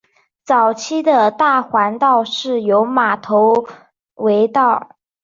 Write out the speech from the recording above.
早期的大环道是由马头围道。